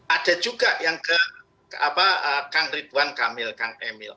ada juga yang ke kang ridwan kamil kang emil